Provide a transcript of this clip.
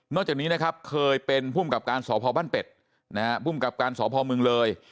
นอกจากนี้นะครับเคยเป็นผู้มกับการสพพันเป็ดผู้มกับการสพมึงเลย